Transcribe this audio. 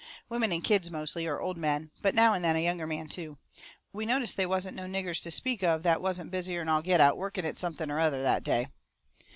Women and kids mostly, or old men, but now and then a younger man too. We noticed they wasn't no niggers to speak of that wasn't busier'n all get out, working at something or other, that day.